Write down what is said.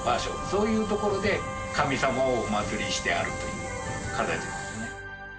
そういう所で神様をお祀りしてあるという形ですね。